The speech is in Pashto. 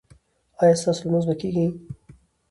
ایا ستاسو لمونځ به کیږي؟